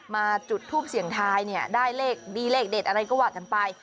มาจุดทูปเสียงทายเนี่ยได้เลขดีเลขเด็ดอะไรก็ว่ากันไป